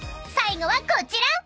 ［最後はこちら］